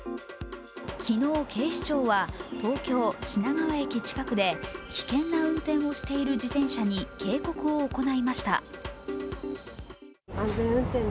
昨日警視庁は、東京・品川駅近くで危険な運転をしている自転車に警告を行いました。